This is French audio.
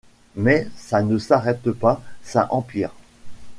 Mais ça ne s’arrête pas : ça empire.